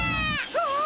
ああ！